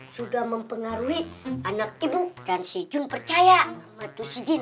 sudah mempengaruhi anak ibu dan si jun percaya sama si jin